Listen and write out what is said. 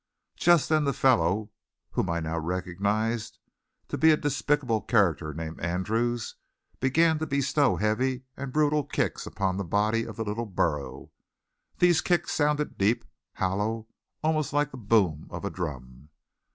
Just then the fellow, whom I now recognized to be a despicable character named Andrews, began to bestow heavy and brutal kicks upon the body of the little burro. These kicks sounded deep, hollow, almost like the boom of a drum.